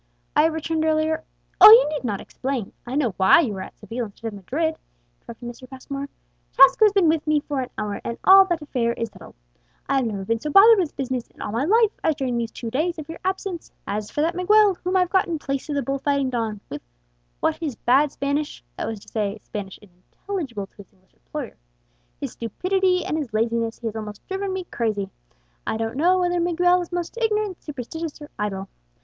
"I have returned earlier " "Oh, you need not explain; I know why you are at Seville instead of Madrid," interrupted Mr. Passmore. "Tasco has been with me for an hour, and all that affair is settled. I have never been so bothered with business in all my life as during these two days of your absence. As for that Miguel, whom I've got in place of the bull fighting don, what with his bad Spanish" (that was to say, Spanish unintelligible to his English employer), "his stupidity, and his laziness, he has almost driven me crazy. I don't know whether Miguel is most ignorant, superstitious, or idle.